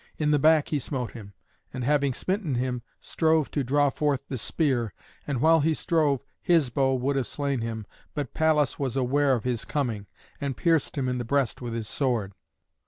In the back he smote him, and, having smitten him, strove to draw forth the spear, and while he strove, Hisbo would have slain him; but Pallas was aware of his coming, and pierced him in the breast with his sword.